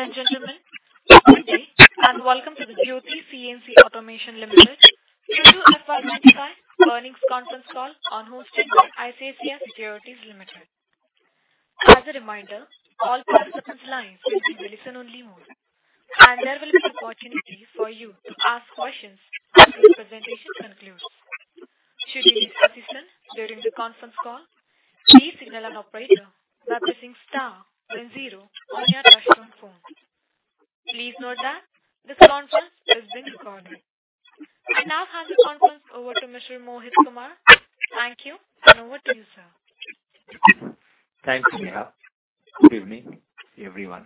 Ladies and gentlemen, good morning and welcome to the Jyoti CNC Automation Limited Jyoti Automation Earnings Conference Call hosted by ICICI Securities Limited. As a reminder, all participants' lines will be in listen-only mode and there will be an opportunity for you to ask questions as this presentation concludes. Should you need assistance during the conference call, please signal an operator by pressing star and zero on your touchtone phone. Please note that this conference is being recorded. I now hand the conference over to Mr. Mohit Kumar. Thank you and over to you, sir. Thank you, ma'am. Good evening, everyone.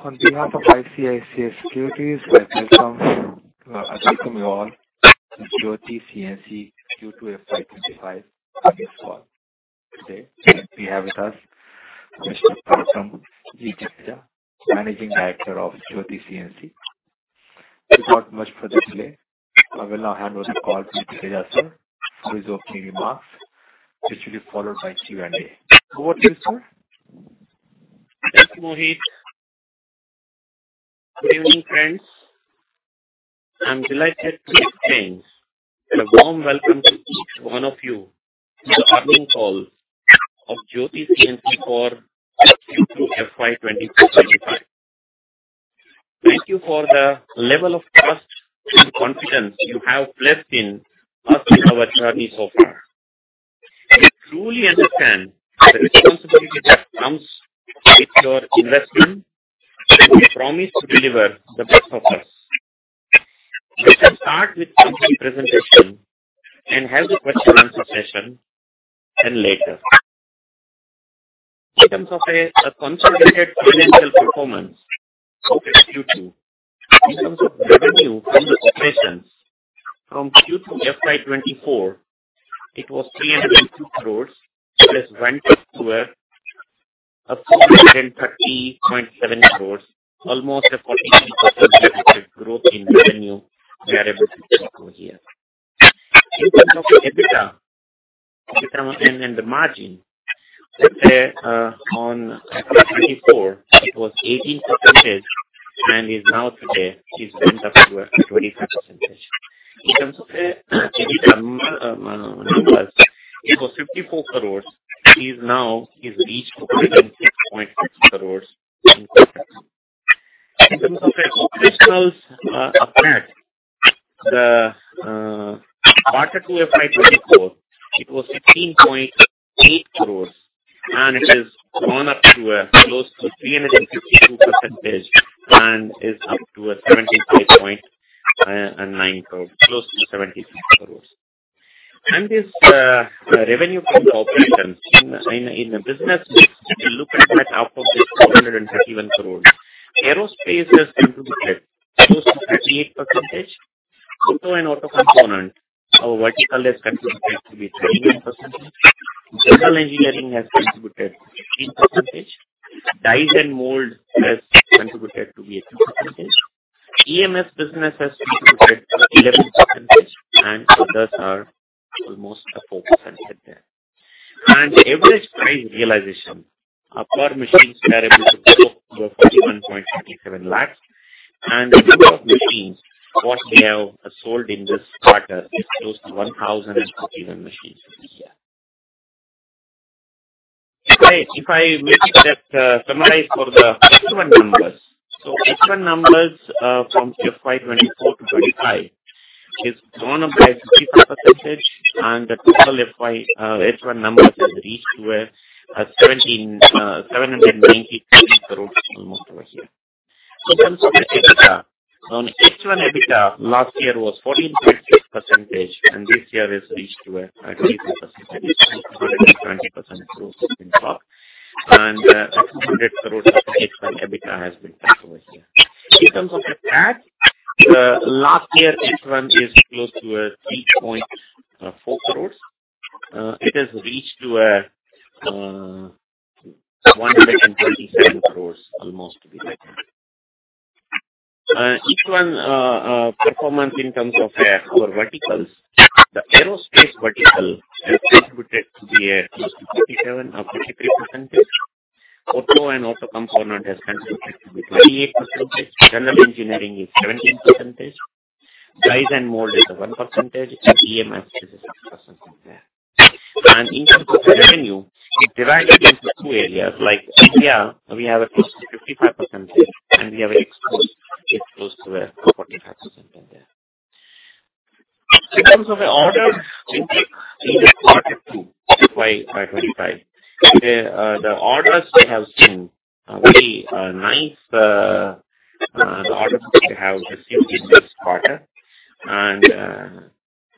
On behalf of ICICI Securities, I welcome you all to the Jyoti CNC Q2 FY 2025 earnings call. Today, we have with us Mr. Parakramsinh G. Jadeja, Managing Director of Jyoti CNC. Without much further delay, I will now hand over the call to Mr. Jadeja, sir, for his opening remarks, which will be followed by Q&A. Over to you, sir. Thanks, Mohit. Good evening, friends. I'm delighted to explain the warm welcome to each one of you to the earnings call of Jyoti CNC for Q2 FY 2024-2025. Thank you for the level of trust and confidence you have placed in us in our journey so far. We truly understand the responsibility that comes with your investment and we promise to deliver the best of us. We can start with a brief presentation and have a question-and-answer session later. In terms of a consolidated financial performance of Q2, in terms of revenue from the operations from Q2 FY 2024, it was 302 crores plus one-third to 430.7 crores, almost a 43% growth in revenue variable here. In terms of EBITDA and the margin, let's say on FY24, it was 18% and is now today it's went up to 25%. In terms of EBITDA numbers, it was INR 54 crores. Now it's reached INR 6.6 crores. In terms of operationals upside, the quarter Q FY 2024, it was 16.8 crores and it has gone up to close to 352% and is up to 75.9 crores, close to 76 crores. And this revenue from the operations in the business, if you look at that out of this 431 crores, aerospace has contributed close to 38%. Auto and auto component, our vertical has contributed to be 39%. General engineering has contributed 15%. Die and mold has contributed to be 2%. EMS business has contributed 11% and others are almost 4% there. And the average price realization of our machines variable to close to INR 41.37 lakhs. And the number of machines what we have sold in this quarter is close to 1,051 machines this year. If I summarize for the H1 numbers, so H1 numbers from Q FY 2024 to Q FY 2025 is gone up by 54% and the total H1 numbers have reached to 793 crores almost over here. In terms of EBITDA, on H1 EBITDA last year was 14.6% and this year has reached to a 23%, 20% growth in stock. And the INR 200 crores EBITDA has been cut over here. In terms of the CapEx, last year H1 is close to 3.4 crores. It has reached to 127 crores almost to be right now. H1 performance in terms of our verticals, the aerospace vertical has contributed to be close to 57%, 53%. Auto and auto component has contributed to be 28%. General engineering is 17%. Die and Mold is 1%. EMS is 6% there. And in terms of revenue, it's divided into two areas. Like India, we have close to 55% and we have an export close to 45% there. In terms of the orders in quarter two of Q FY 2025, the orders we have seen are very nice. The orders we have received in this quarter, and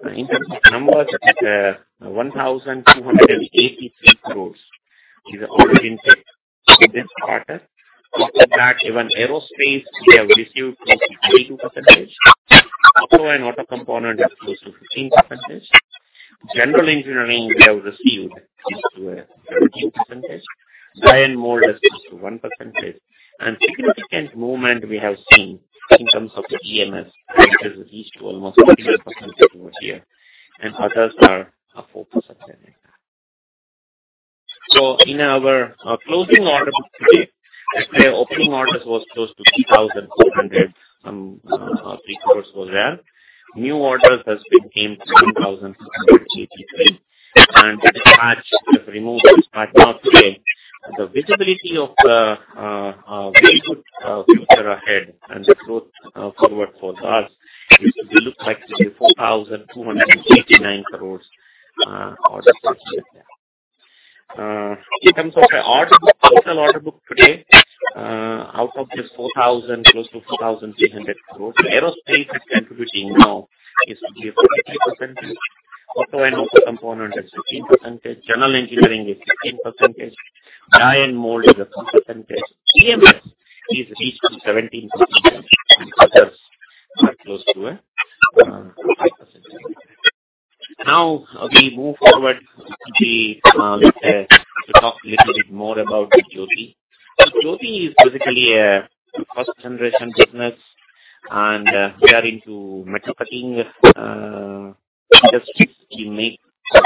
in terms of numbers, 1,283 crores is the order intake in this quarter. After that, even aerospace we have received close to 22%. Auto and auto component is close to 15%. General engineering we have received close to 17%. Die and Mold is close to 1%. And significant movement we have seen in terms of EMS, which has reached to almost 15% over here, and others are 4% there. In our closing orders today, the opening orders was close to 3,200. Some 3 crores was there. New orders have been aimed to 1,683, and the dispatch has been removed, but not today. The visibility of the future ahead and the growth forward for us is to be looked like INR 4,289 crores orders today. In terms of the order book, total order book today, out of this close to 4,300 crores, aerospace is contributing now is to be 43%. Auto and auto component is 15%. General engineering is 15%. Die and Mold is 2%. EMS is reached to 17%. Others are close to 5%. Now we move forward to talk a little bit more about Jyoti. Jyoti is basically a first-generation business and we are into metal cutting industries. We make a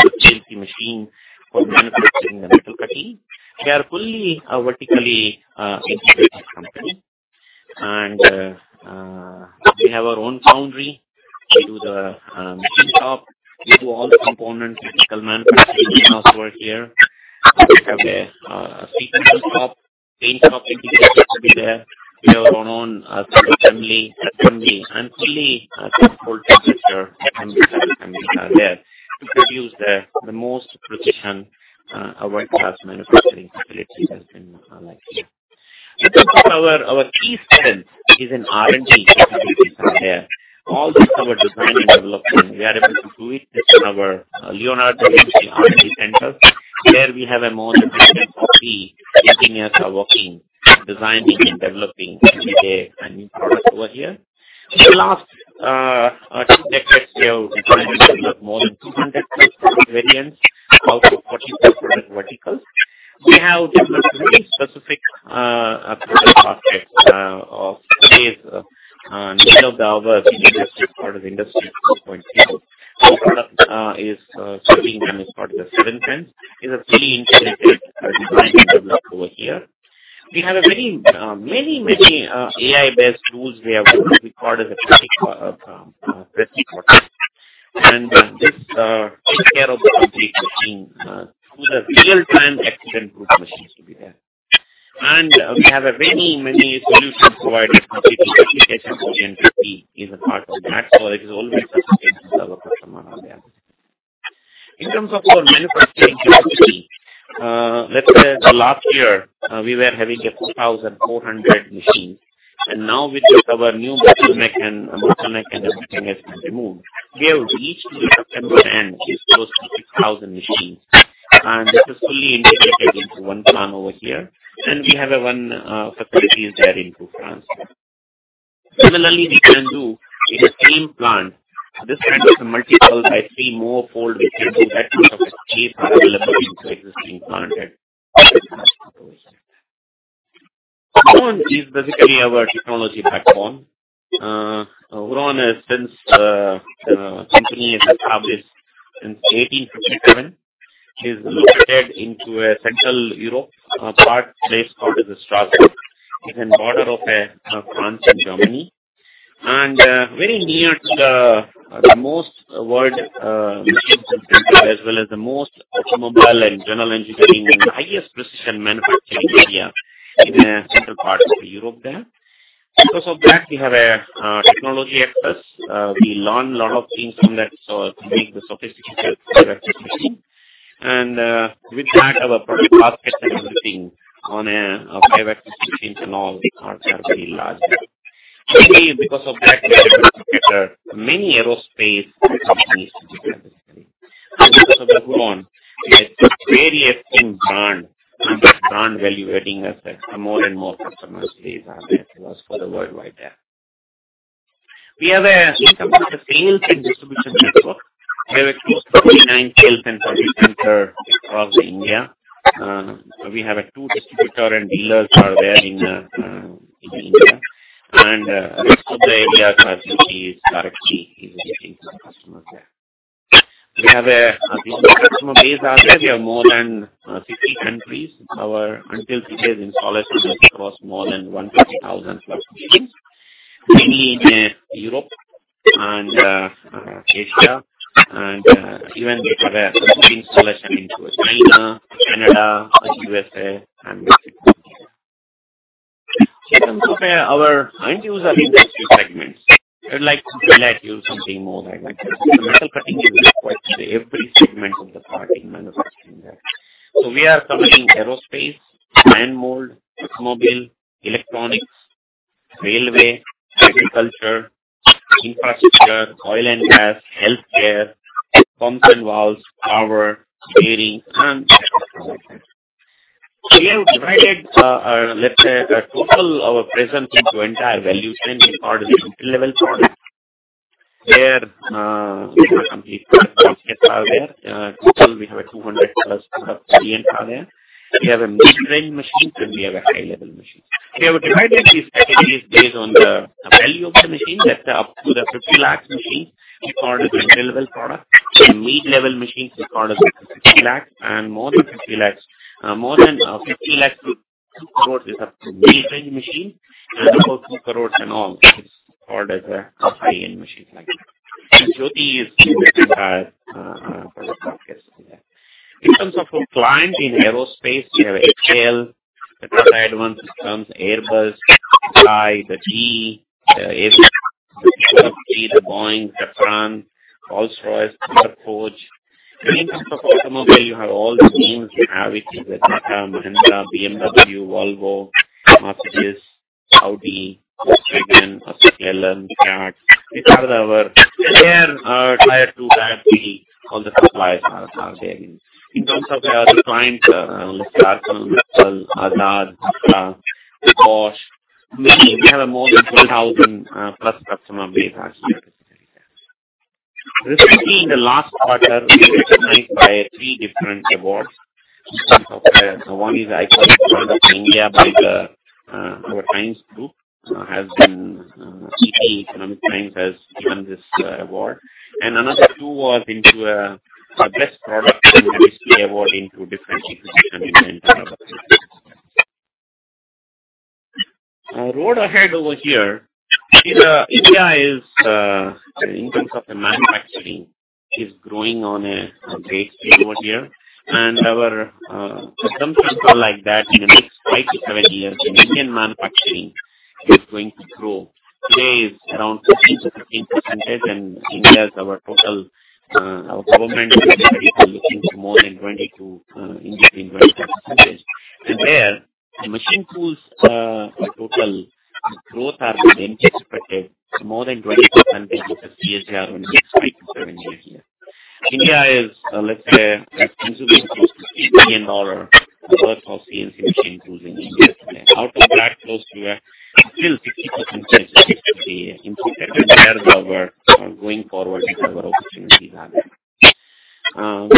machine for manufacturing the metal cutting. We are fully a vertically integrated company. We have our own foundry. We do the machine shop. We do all components, physical manufacturing in-house over here. We have a CNC machine shop, paint shop integrated over there. We have our own family factory and fully controlled temperature and there. We produce the most precise world-class manufacturing facility that's been here. In terms of our key strength is in R&D facilities out there. All this is our design and development. We are able to do it within our Leonardo da Vinci R&D Centre, where we have a more definition of the engineers are working, designing and developing every day a new product over here. In the last two decades, we have designed and developed more than 200-plus variants out of 40-plus different verticals. We have developed really specific product baskets of today's middle of the hour part of the Industry 4.0. Our product is called the 7th Sense. It is a fully integrated design and developed over here. We have many, many AI-based tools we have called the PreciProtect. And this takes care of the complete machine through the real-time accident-proof machines to be there. And we have many, many solutions provided completely for applications for the industry as a part of that. So it is always a solution for our customer out there. In terms of our manufacturing capacity, let's say last year we were having 2,400 machines. And now with our new bottleneck and everything has been removed, we have reached to the second strand with close to 6,000 machines. And this is fully integrated into one plant over here. And we have one facility there in France. Similarly, we can do in the same plant this kind of multiple by three more fold. We can do that because of the space available in the existing plant. Huron is basically our technology platform. Huron has since the company has established since 1857. It is located in the Central Europe part, a place called Strasbourg. It's on the border of France and Germany, and very near to the world's most machining center as well as the world's most automobile and general engineering and highest precision manufacturing area in the central part of Europe there. Because of that, we have access to technology. We learn a lot of things from that to make the sophisticated five-axis machine, and with that, our product baskets and everything on a five-axis machine can all be large. Because of that, we have many aerospace companies to be there, and because of Huron, it's a very esteemed brand and brand value adding assets. More and more customers today are turning to us worldwide. We have a sales and distribution network. We have close to 49 sales and distribution centers across India. We have two distributors and dealers out there in India, and the rest of the areas are which is directly into the customers there. We have a customer base out there. We have more than 60 countries. Until today, in installation, it was more than 150,000-plus machines. Mainly in Europe and Asia, and even we have a big installation into China, Canada, USA, and Mexico. In terms of our end-user industry segments, I would like to highlight something more like that. The metal cutting industry is quite every segment of the part in manufacturing there. So we are covering aerospace, die and mold, automobile, electronics, railway, agriculture, infrastructure, oil and gas, healthcare, pumps and valves, power, gearing, and. We have divided, let's say, a total of our presence into entire value chain in part of the middle-level products where we have complete CNCs out there. In total, we have a 200-plus CNC out there. We have mid-range machines and we have high-level machines. We have divided these categories based on the value of the machines. That's up to the 50 lakhs machines we call the middle-level product. The mid-level machines we call the 50 lakhs and more than 50 lakhs. More than 50 lakhs to 2 crores is up to mid-range machines. Above 2 crores and all is called a high-end machine like that. Jyoti is the entire product basket there. In terms of our clients in aerospace, we have HAL, the Tier 1 systems, Airbus, Skyroot Aerospace, GE, the Boeing, Safran, Rolls-Royce, Ford, Porsche. In terms of automobile, you have all the names we have which is Mazda, BMW, Volvo, Mercedes, Audi, Volkswagen, Skoda, Kia. These are our. They are tied to that. We call the suppliers out there. In terms of the other clients, Shaktiman, ADA, Tesla, Bosch, we have more than 1,000 plus customer base out here basically there. Recently, in the last quarter, we were recognized by three different awards. One is Iconic Brand in India by our Times Group. The Economic Times has given this award. And another two was into a best product in the D&B award into different institutions in the entire world. Road ahead over here, India is in terms of manufacturing, is growing on a great speed over here. And our assumptions are like that in the next 5 to 7 years, Indian manufacturing is going to grow. Today is around 15%-16%. And in there, our government is looking to more than 22% in between 22%. There, the machine tools total growth has been anticipated more than 20% because CNC are only five to seven years here. India is, let's say, consuming close to $50 million worth of CNC machine tools in India today. Out of that, close to still 60% CNC machines to be implemented. There's our going forward with our opportunities out there.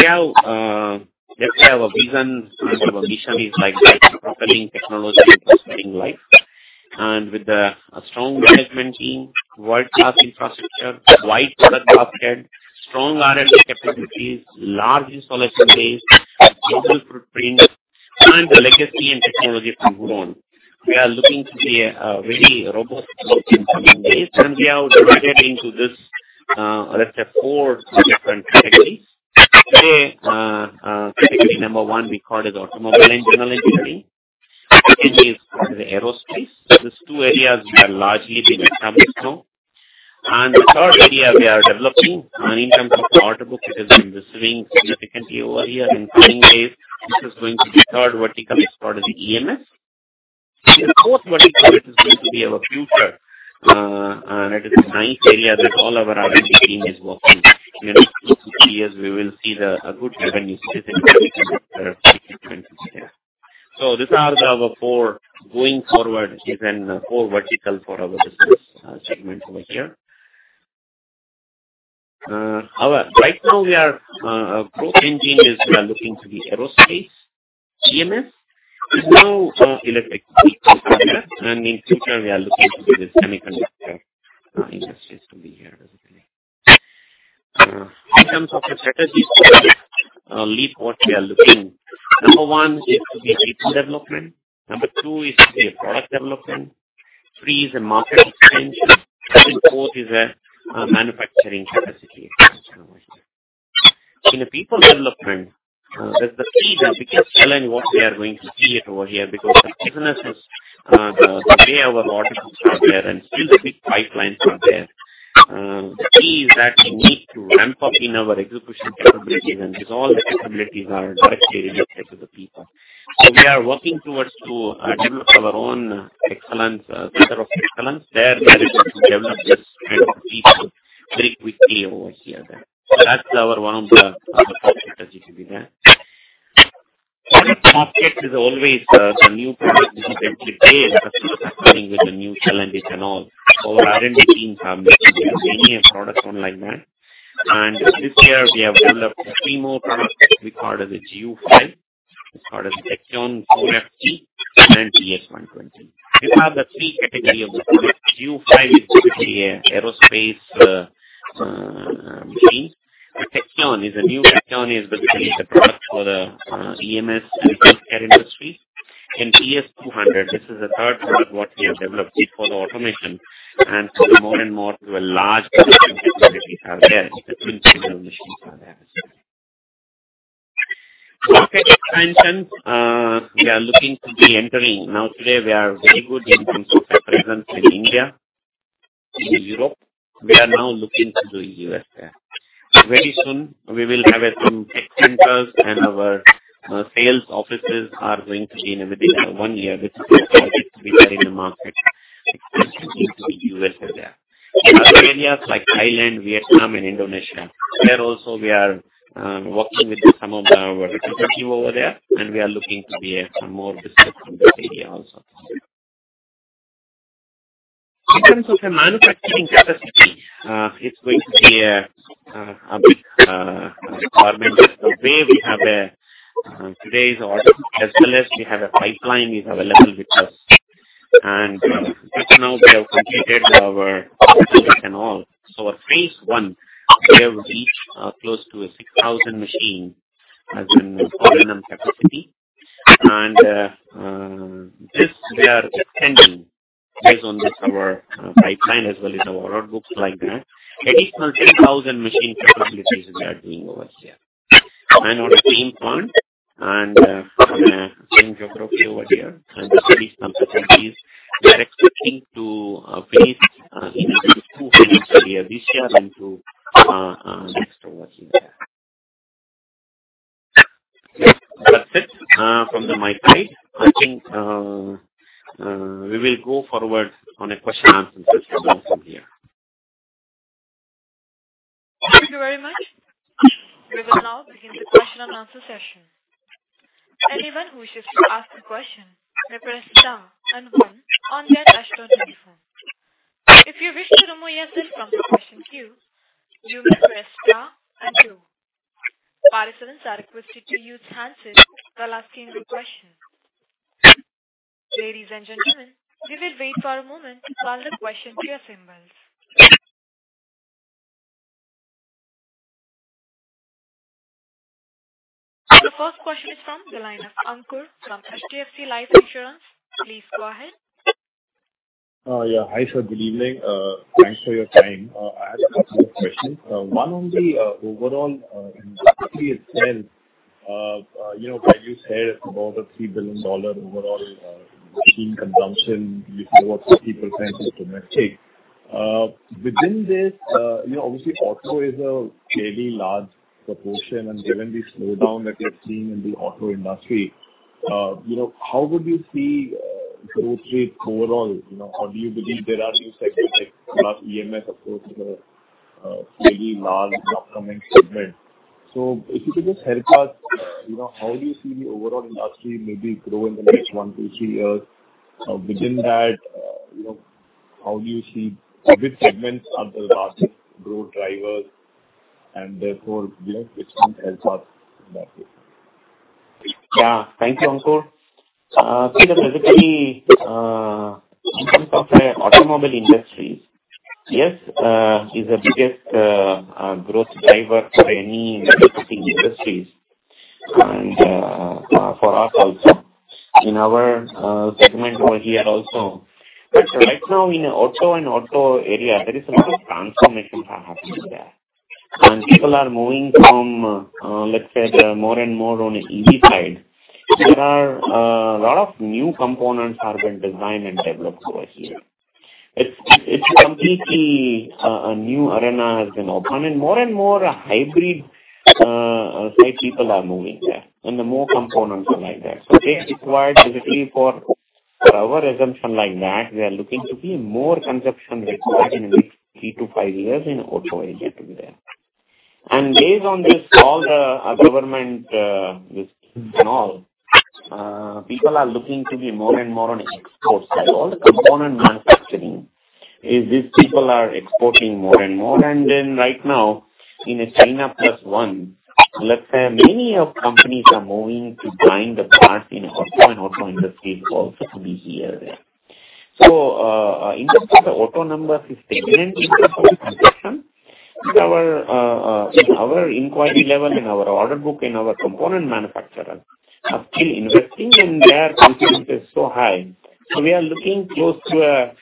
We have a vision of a mission is like that, propelling technology into live. With a strong management team, world-class infrastructure, wide product basket, strong R&D capabilities, large installation base, global footprint, and the legacy and technology from Huron, we are looking to be a very robust team in coming days. We have divided into this, let's say, four different categories. Today, category number one we call is automobile and general engineering. Second is aerospace. These two areas we are largely being established on. And the third area we are developing in terms of the order book that has been receiving significantly over here in coming days, this is going to be third vertical is called EMS. The fourth vertical that is going to be our future, and it is a nice area that all our R&D team is working. In the next two to three years, we will see a good revenue space in 2020 there. So these are our four going forward is in four vertical for our business segment over here. Right now, our growth engine is we are looking to be aerospace, EMS. It's now electric vehicle sector. And in future, we are looking to be the semiconductor industry to be here basically. In terms of the strategies for Leap 4, we are looking number one is to be people development. Number two is to be a product development. Three is a market expansion. Fourth is a manufacturing capacity expansion over here. In the people development, there's the key that we can challenge what we are going to create over here because the business is the way our order books are there and still the big pipelines are there. The key is that we need to ramp up in our execution capabilities and resolve the capabilities are directly related to the people. So we are working towards to develop our own excellence, center of excellence there that is going to develop this kind of people very quickly over here there. That's our one of the top strategies to be there. Market is always the new product which is every day is happening with the new challenges and all. Our R&D teams are making many products on like that. This year, we have developed three more products we call as a U5. It's called as Tachyon 4FT and TS120. These are the three categories of the product. U5 is basically aerospace machines. Tachyon is a new basically the product for the EMS and healthcare industries. TS120, this is the third product what we have developed for the automation. And more and more to a large production facilities out there. The twin spindle machines are there as well. Market expansion, we are looking to be entering. Now today, we are very good in terms of presence in India, in Europe. We are now looking to do U.S. there. Very soon, we will have some tech centers and our sales offices are going to be in within one year basically to be there in the market. Expansion into the U.S. there. Other areas like Thailand, Vietnam, and Indonesia. There also, we are working with some of our team over there. And we are looking to be more visible in that area also. In terms of the manufacturing capacity, it's going to be a big requirement. The way we have today's order, as well as we have a pipeline is available with us. And just now, we have completed our project and all. So phase one, we have reached close to 6,000 machines as in volume and capacity. And this, we are extending based on this our pipeline as well as our order books like that. Additional 10,000 machine capabilities we are doing over here. And on the same front and same geography over here, and these competencies, we are expecting to finish in the Q2 finished area this year and Q2 next over here there. That's it from my side. I think we will go forward on a question and answer session from here. Thank you very much. We will now begin the question and answer session. Anyone who wishes to ask a question may press star and one on their touch-tone phone. If you wish to remove yourself from the question queue, you may press star and two. Participants are requested to use handsets while asking the question. Ladies and gentlemen, we will wait for a moment while the question queue assembles. The first question is from the line of Ankur from HDFC Life Insurance. Please go ahead. Yeah. Hi, sir. Good evening. Thanks for your time. I have a couple of questions. One on the overall industry itself. Like you said, it's about a $3 billion overall machine consumption. You said about 50% is domestic. Within this, obviously, auto is a fairly large proportion. Given the slowdown that we've seen in the auto industry, how would you see growth rates overall? Or do you believe there are new segments like EMS, of course, is a fairly large upcoming segment? So if you could just help us, how do you see the overall industry maybe grow in the next one, two, three years? Within that, how do you see which segments are the largest growth drivers? And therefore, which ones help us in that regard? Yeah. Thank you, Ankur. Basically, in terms of the automobile industry, yes, is the biggest growth driver for any manufacturing industries. And for us also, in our segment over here also. But right now, in the auto and auto area, there is a lot of transformation happening there. And people are moving from, let's say, more and more on the EV side. There are a lot of new components that have been designed and developed over here. It's completely a new arena has been opened. And more and more hybrid-type people are moving there. And the more components are like that. So they require basically for our assumption like that, we are looking to be more consumption required in the next three to five years in auto area to be there. And based on this, all the government and all, people are looking to be more and more on the export side. All the component manufacturing is these people are exporting more and more. And then right now, in a China plus one, let's say many of companies are moving to join the parts in auto and auto industries also to be here there. So in terms of the auto numbers, it's stagnant in terms of consumption. In our inquiry level, in our order book, in our component manufacturers are still investing and their confidence is so high, so we are looking close to a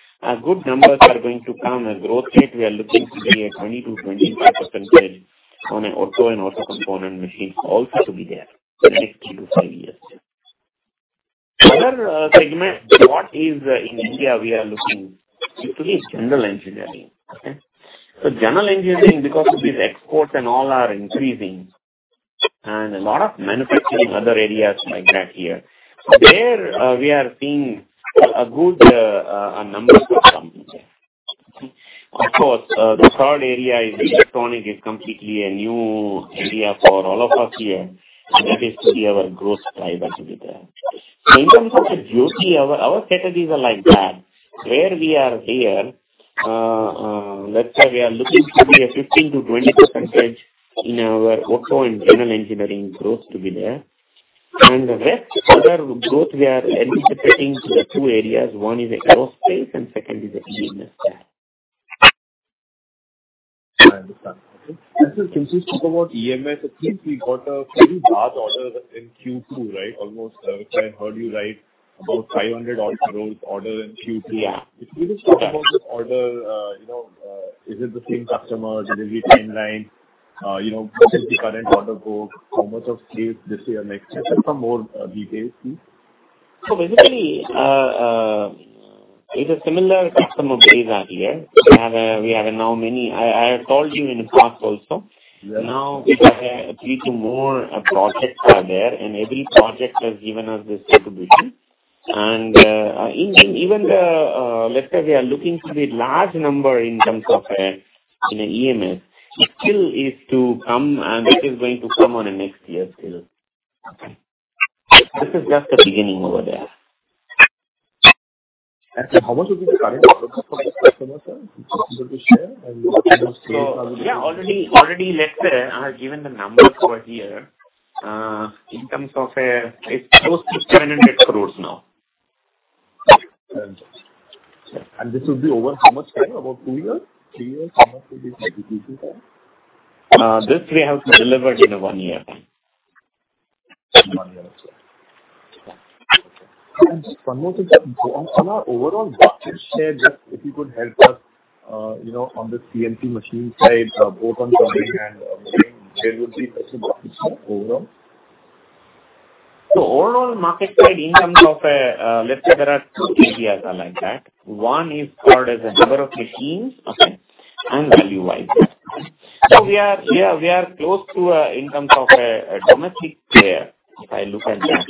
good numbers are going to come. A growth rate, we are looking to be a 20%-25% on an auto and auto component machine also to be there in the next three-to-five years. Other segment, what is in India we are looking is to be general engineering. Okay, so general engineering, because of these exports and all are increasing, and a lot of manufacturing in other areas like that here, there we are seeing And the rest other growth we are anticipating to the two areas. One is aerospace and second is EMS there. I understand. And since you spoke about EMS, it seems we got a fairly large order in Q2, right? Almost, if I heard you right, about 500-odd crores order in Q2. If you could just talk about this order, is it the same customer delivery timeline? What is the current order book? How much of sales this year and next year? Just some more details, please. So basically, it is a similar customer base out here. We have now many. I have told you in the past also. Now, we have three or more projects out there. And every project has given us this distribution. And even the, let's say we are looking to be large number in terms of EMS, it still is to come, and it is going to come on a next year still. This is just the beginning over there. And how much of this current order book for the customer, sir? If you could share and what's the most likely? Yeah. Already, let's say, I have given the numbers for here. In terms of a, it's close to 700 crores now. And this would be over how much time? About two years? Three years? How much would this distribution take? This we have to deliver in one year. One year, okay. And just one more thing. On our overall budget share, just if you could help us on the CNC machine side, both on turning and moving, there would be such a budget share overall? So overall market share in terms of, let's say there are two areas like that. One is called as a number of machines, okay, and value-wise. So yeah, we are close to in terms of domestic share, if I look at that.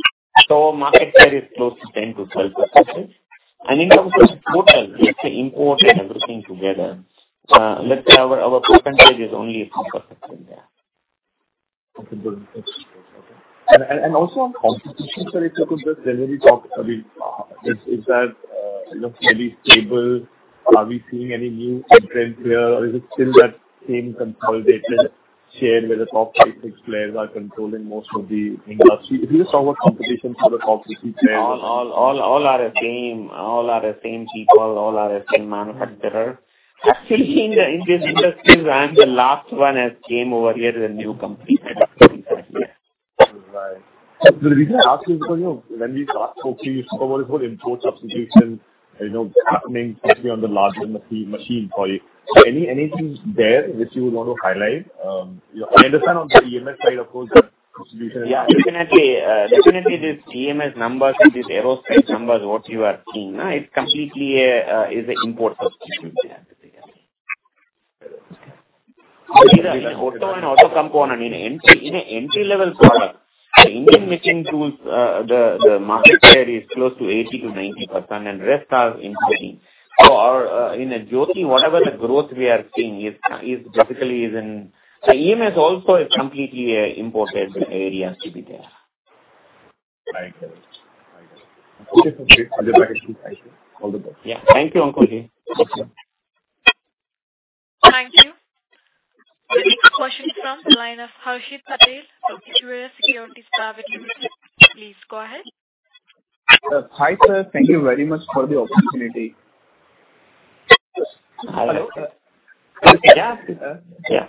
So market share is close to 10%-12%. And in terms of total, let's say import and everything together, let's say our % is only a few % there. Okay. And also on contribution, sir, if you could just generally talk, I mean, is that maybe stable? Are we seeing any new trends here? Or is it still that same consolidated share where the top five, six players are controlling most of the industry? If you just talk about competition for the top 50 players. All are the same. All are the same people. All are the same manufacturers. Actually, in this industry, I'm the last one that came over here with a new company that is coming out here. Right. So the reason I ask is because when we last spoke to you, you spoke about this whole import substitution happening especially on the larger machines, sorry. So anything there that you would want to highlight? I understand on the EMS side, of course, the substitution is. Yeah. Definitely. Definitely, these EMS numbers with these aerospace numbers, what you are seeing, it's completely an import substitution at the beginning. So these are auto and auto component. In an entry-level product, the engine making tools, the market share is close to 80%-90%. And the rest are including. So in Jyoti, whatever the growth we are seeing is basically in the EMS also is completely an important area to be there. I get it. Okay. Perfect. I understand. Thank you. All the best. Yeah. Thank you, Ankur. Thank you. The next question is from the line of Harshit Patel, from Equirus Securities. Please go ahead. Hi, sir. Thank you very much for the opportunity. Hi. Hello. Yeah.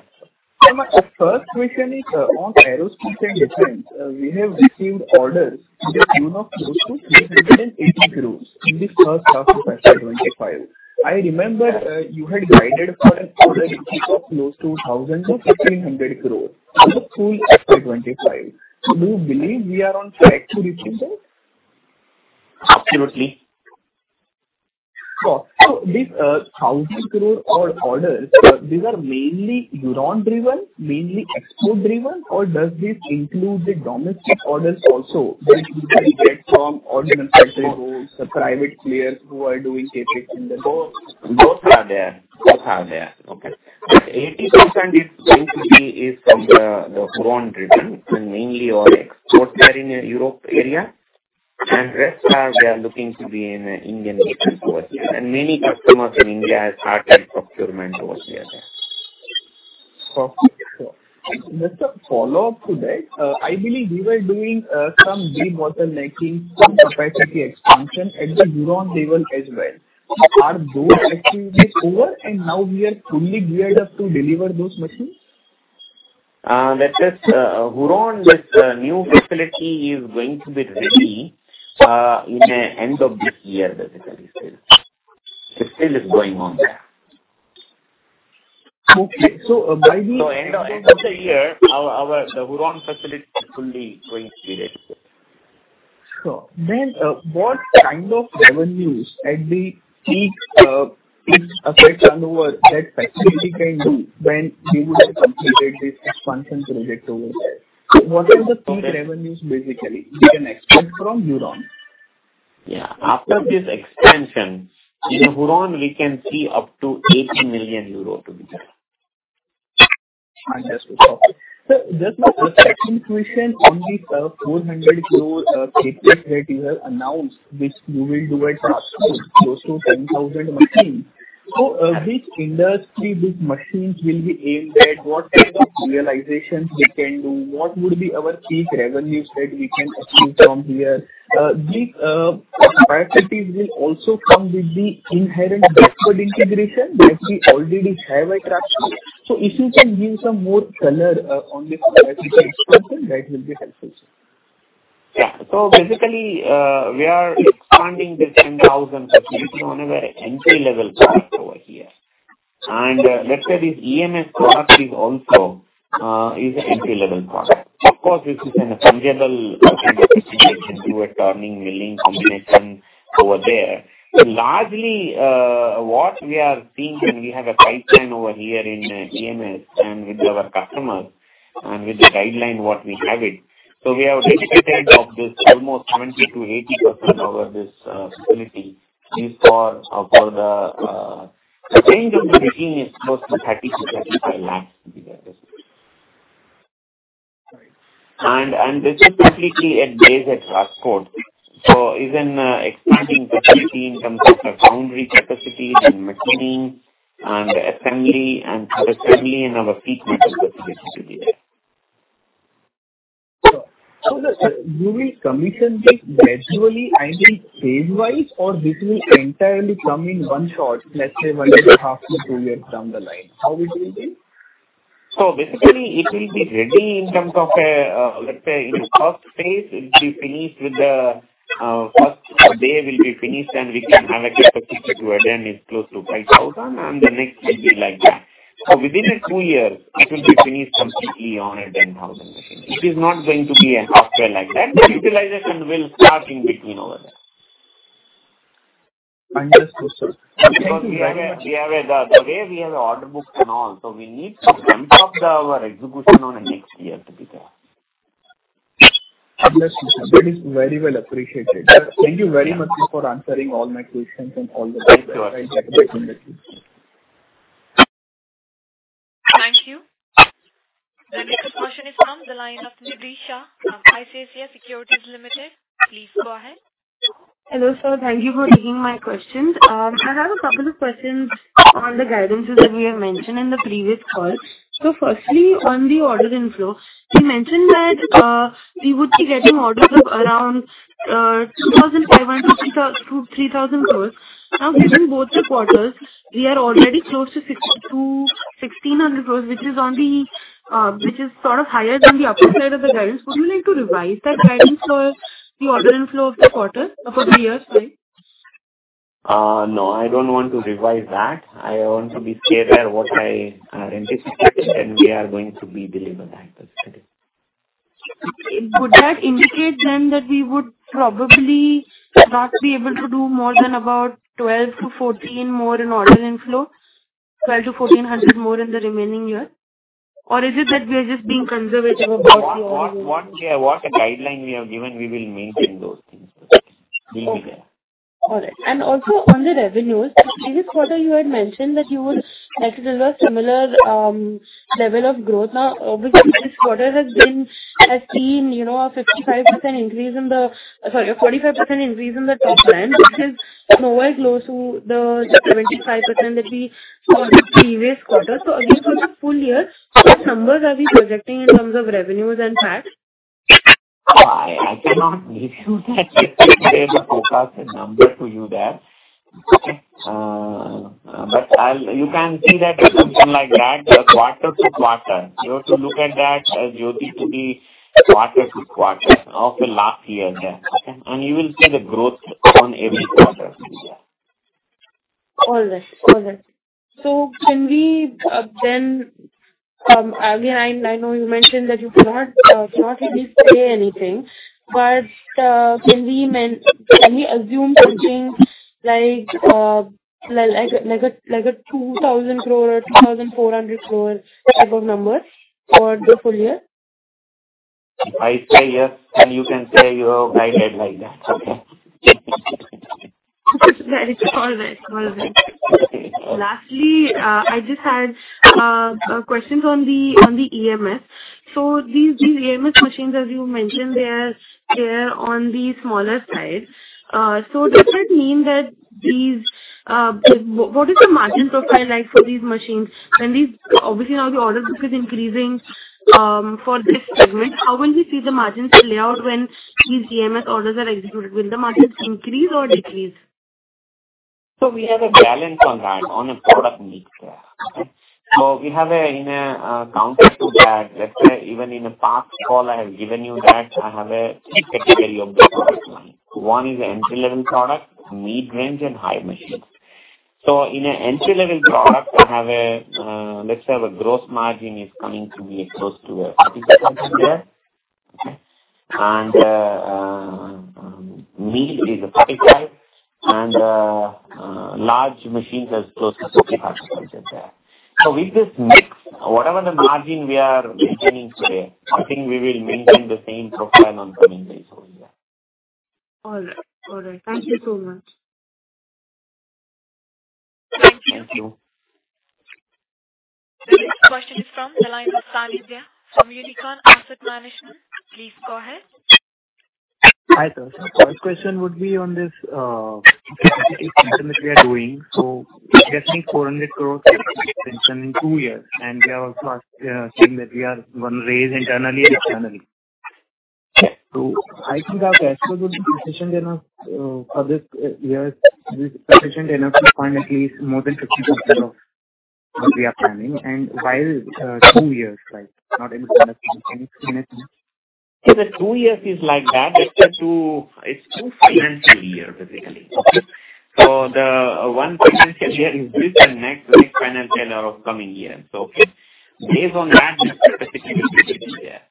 So my first question is on aerospace and defense. We have received orders to the tune of close to 380 crores in the first half of FY25. I remember you had guided for an order to the tune of close to 1,000-1,500 crores for the full FY25. Do you believe we are on track to receive them? Absolutely. So these 1,000 crore orders, these are mainly Huron-driven, mainly export-driven, or does this include the domestic orders also that we can get from ordinary categories, the private players who are doing CNC in the? Both are there. Both are there. Okay. But 80% is going to be from the Huron-driven and mainly on export there in the Europe area. And the rest are we are looking to be in the Indian business towards there. And many customers in India have started procurement towards there. Sure. Sure. Just a follow-up to that. I believe we were doing some de-bottlenecking, some capacity expansion at the Huron level as well. Are those actually over? And now we are fully geared up to deliver those machines? That is, Huron's new facility is going to be ready in the end of this year, basically, still. It still is going on there. Okay. So by the end of the year, the Huron facility is fully going to be ready. Sure. Then what kind of revenues at the peak effect and over that facility can do when we would have completed this expansion project towards there? What are the peak revenues, basically, we can expect from Huron? Yeah. After this expansion, in Huron, we can see up to 80 million euro to be there. Fantastic. Okay. So just a second question on this 400 crore capex that you have announced, which you will do last month, close to 10,000 machines. So which industry these machines will be aimed at? What kind of realizations we can do? What would be our peak revenues that we can achieve from here? These capacities will also come with the inherent backward integration that we already have attracted. So if you can give some more color on this capacity expansion, that will be helpful, sir. Yeah. So basically, we are expanding this 10,000 machines on our entry-level product over here. And let's say this EMS product is also an entry-level product. Of course, this is a functional integration through a turning, milling combination over there. Largely, what we are seeing, and we have a pipeline over here in EMS and with our customers and with the guideline what we have it. So we have dedicated of this almost 70%-80% over this facility. This for the range of the machine is close to 30-35 lakhs to be there. And this is completely based at Rajkot. So even expanding capacity in terms of the foundry capacity and machining and assembly and our peak metal facility to be there. Sure. So do we commission this gradually, I mean, phase-wise, or this will entirely come in one shot, let's say one and a half to two years down the line? How would you think? So basically, it will be ready in terms of a, let's say, in the first phase, it will be finished with the first phase will be finished, and we can have a capacity to again is close to 5,000. And the next would be like that. So within two years, it will be finished completely on a 10,000 machine. It is not going to be a halfway like that. The utilization will start in between over there. I understood, sir. Because we have the way we have an order book and all, so we need to ramp up our execution in the next year to be there. Understood, sir. That is very well appreciated. Thank you very much for answering all my questions and all the details. Thank you. I'll take my time with you. Thank you. The next question is from the line of Nidhisha, ICICI Securities Limited. Please go ahead. Hello, sir. Thank you for taking my questions. I have a couple of questions on the guidances that we have mentioned in the previous call. So firstly, on the order inflow, you mentioned that we would be getting orders of around 2,500-3,000 crores. Now, given both the quarters, we are already close to 1,600 crores, which is sort of higher than the upper side of the guidance. Would you like to revise that guidance for the order inflow of the quarter of the year? Sorry. No, I don't want to revise that. I want to be clear where what I anticipated, and we are going to be delivered that specifically. Would that indicate then that we would probably not be able to do more than about 12 to 14 more in order inflow, 12 to 1,400 more in the remaining year? Or is it that we are just being conservative about the order inflow? What guideline we have given, we will maintain those things. We'll be there. All right. And also on the revenues, the previous quarter you had mentioned that you would have to deliver similar level of growth. Now, obviously, this quarter has been a 55% increase in the sorry, a 45% increase in the top line, which is nowhere close to the 75% that we saw in the previous quarter. So again, for the full year, what numbers are we projecting in terms of revenues and tax? I cannot give you that. I have to pass the number to you there. But you can see that in something like that, quarter to quarter. You have to look at that as Jyoti to be quarter to quarter of the last year there. And you will see the growth on every quarter here. All right. All right. So can we then again, I know you mentioned that you cannot really say anything, but can we assume something like 2,000 crore or 2,400 crore type of number for the full year? I'd say yes. And you can say your guided like that, okay? All right. All right. Lastly, I just had questions on the EMS. So these EMS machines, as you mentioned, they are on the smaller side. So does that mean that these what is the margin profile like for these machines? Obviously, now the order book is increasing for this segment. How will we see the margins play out when these EMS orders are executed? Will the margins increase or decrease? So we have a balance on that, on a product mix there. So we have in contrast that, let's say, even in a past call, I have given you that I have two categories of the product line. One is entry-level product, mid-range, and high-end machines. So in an entry-level product, I have a, let's say, the gross margin is coming to be close to 40% there. And mid-range is 45%. And large machines are close to 45% there. So with this mix, whatever the margin we are maintaining today, I think we will maintain the same profile in coming days over there. All right. All right. Thank you so much. Thank you. Thank you. The next question is from the line of Sanidhya from Unicorn Asset Management. Please go ahead. Hi, sir. My question would be on this capacity expansion that we are doing. So it gets me 400 crores expansion in two years. And we are also seeing that we are going to raise internally and externally. So I think our cash flow will be sufficient enough for this year. This is sufficient enough to fund at least more than 50% of what we are planning. And while two years, right, not everyone has been paying financing. If the two years is like that, let's say it's two financial years, basically. So the one financial year is this and next financial year of coming year. So based on that, that's specifically there.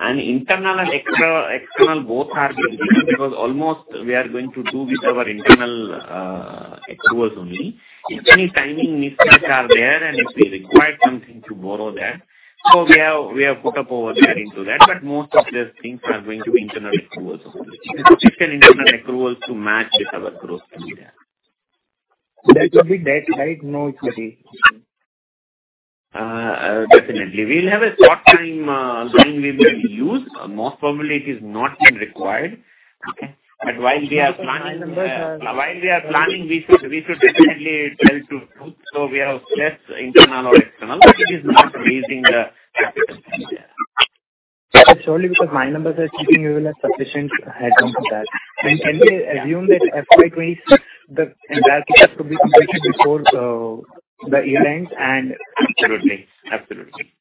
And internal and external both are being taken because almost we are going to do with our internal accruals only. If any timing mismatch are there and if we require something to borrow there. So we have put up over there into that. But most of these things are going to be internal accruals only. We have to get internal accruals to match with our gross to be there. That would be that, right? No, it's okay. Definitely. We'll have a short time line we will use. Most probably, it is not being required. But while we are planning, we should definitely tell to so we have less internal or external. But it is not raising the capital there. It's only because my numbers are speaking we will have sufficient headcount for that. Can we assume that FY 2026, the entire kit has to be completed before the year end and? Absolutely. Absolutely.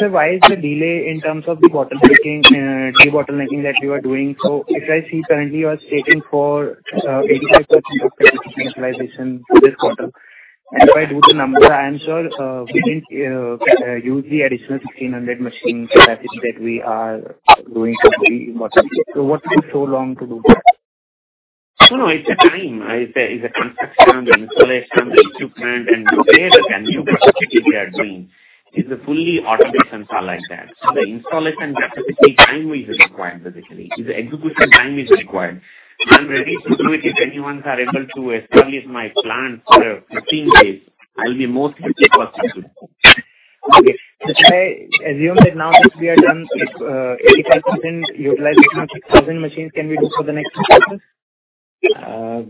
So why is the delay in terms of the bottlenecking, de-bottlenecking that you are doing? So if I see currently you are stating for 85% of capacity utilization this quarter. And if I do the number, I am sure we didn't use the additional 1,600 machine capacity that we are going to be working. So what took so long to do that? No, no. It's a time. It's a construction, the installation, the equipment, and repair that can do what we are doing. It's a fully automated and style like that. So the installation capacity time is required, basically. The execution time is required. I'm ready to do it if anyone's able to establish my plan for 15 days. I'll be mostly able to do it. Okay. Can I assume that now that we are done with 85% utilization of 6,000 machines, can we do for the next two quarters?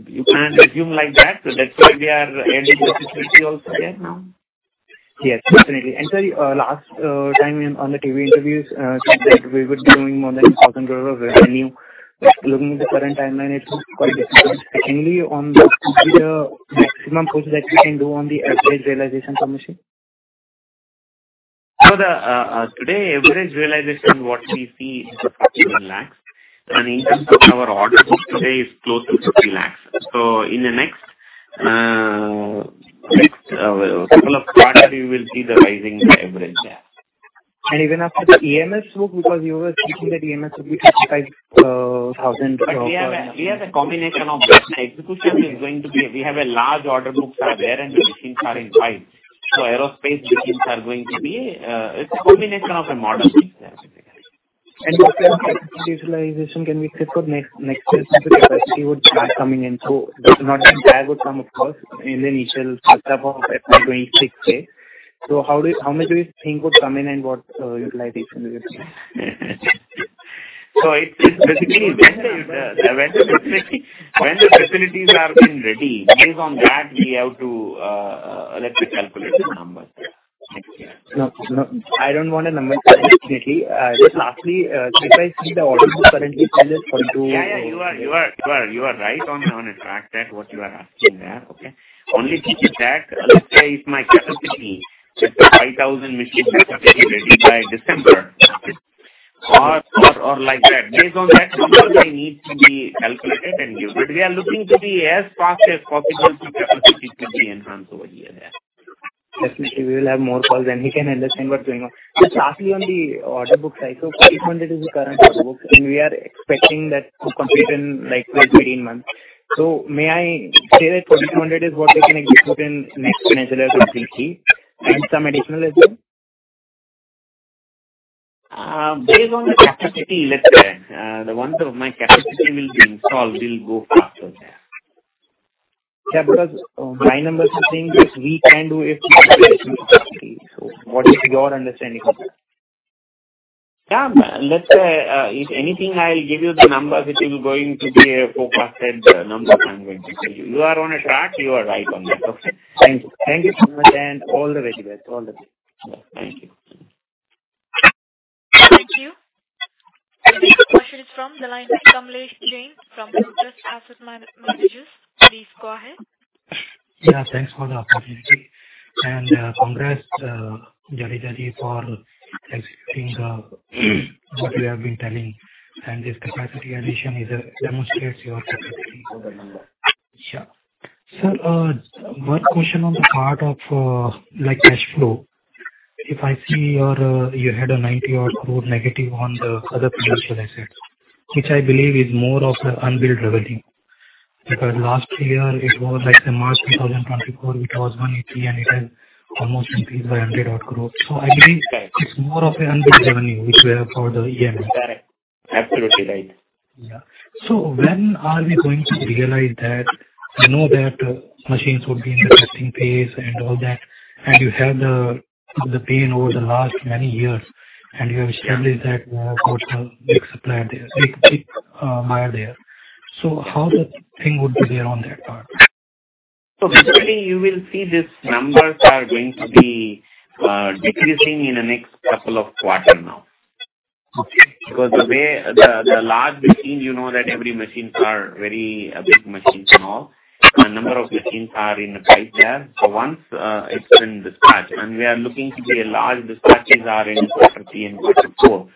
You can assume like that. That's why we are expanding the capacity also there now. Yes, definitely. Sorry, last time on the TV interviews, you said we would be doing more than 1,000 crores of revenue. Looking at the current timeline, it looks quite different. Anyway, on the component, maximum push that we can do on the average realization per machine? Today, average realization what we see is 1,000 lakhs. In terms of our order book today, it's close to 50 lakhs. In the next couple of quarters, we will see the rising average there. Even after the EMS boom, because you were speaking that EMS would be 25,000 crores per month. We have a combination of that. Execution is going to be. We have a large order book that we are and the machines are in five. So aerospace machines are going to be. It's a combination of the model there, basically. And what kind of capacity utilization can we expect for next year since the capacity would start coming in? So not the entire would come, of course, in the initial setup of FY 2026 day. So how much do you think would come in and what utilization do you think? So it's basically when the facilities are being ready, based on that, we have to let me calculate the numbers next year. I don't want a number. Definitely. Just lastly, if I see the order book currently sell is for 2,000. Yeah, yeah. You are right on the track that what you are asking there. Okay. Only think that, let's say, if my capacity is 5,000 machines ready by December or like that, based on that numbers, I need to be calculated and given. We are looking to be as fast as possible to capacity could be enhanced over the year there. Definitely. We will have more calls and we can understand what's going on. Just lastly, on the order book side, so 4,200 is the current order book. We are expecting that to complete in like 12 to 18 months. So may I say that 4,200 is what we can execute in next financial year completely and some additional as well? Based on the capacity, let's say, the ones of my capacity will be installed will go faster there. Yeah, because my numbers are saying that we can do if we have additional capacity. So what is your understanding of that? Yeah. Let's say, if anything, I'll give you the numbers. It will go into the forecasted numbers I'm going to give you. You are on a track. You are right on that. Okay. Thank you. Thank you so much and all the very best. All the best. Thank you. Thank you. The next question is from the line of Kamlesh Jain from Lotus Asset Managers. Please go ahead. Yeah. Thanks for the opportunity. And congrats Jyoti CNC for executing what you have been telling. And this capacity addition demonstrates your capacity. Sure. Sir, one question on the part of cash flow. If I see you had a 90-odd crore negative on the other financial assets, which I believe is more of an unbilled revenue. Because last year, it was like the March 2024, it was 180 and it has almost increased by 100-odd crores. So I believe it's more of an unbilled revenue, which we have for the EMS. Correct. Absolutely right. Yeah. So when are we going to realize that? We know that machines would be in the testing phase and all that, and you have the pain over the last many years, and you have established that you have a big supplier there, big buyer there. So how the thing would be there on that part? So basically, you will see these numbers are going to be decreasing in the next couple of quarters now. Because the large machines, you know that every machine is very big machines and all. The number of machines are in the pipe there. So once it's been dispatched, and we are looking to be a large dispatches are in quarter three and quarter four.